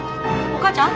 お母ちゃん。